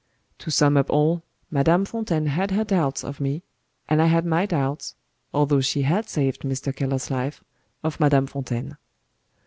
To sum up all, Madame Fontaine had her doubts of me and I had my doubts (although she had saved Mr. Keller's life) of Madame Fontaine.